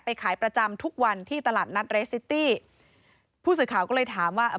ขายประจำทุกวันที่ตลาดนัดเรสซิตี้ผู้สื่อข่าวก็เลยถามว่าอ่า